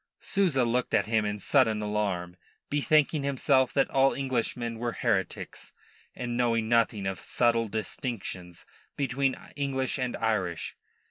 Souza looked at him in sudden alarm, bethinking himself that all Englishmen were heretics, and knowing nothing of subtle distinctions between English and Irish.